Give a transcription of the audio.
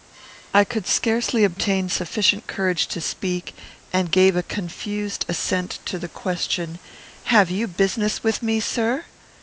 I could scarcely obtain sufficient courage to speak, and gave a confused assent to the question, "Have you business with me, sir?"